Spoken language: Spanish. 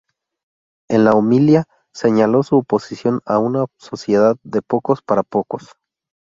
En la homilía señaló su oposición a una sociedad "de pocos para pocos".